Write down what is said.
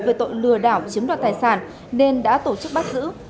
về tội lừa đảo chiếm đoạt tài sản nên đã tổ chức bắt giữ